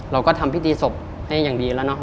เราก็ทำพิธีศพได้อย่างดีแล้วเนาะ